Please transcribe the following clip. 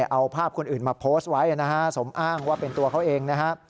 เอาภาพคนอื่นมาโพสต์ไว้นะฮะสมอ้างว่าเป็นตัวเขาเองนะฮะ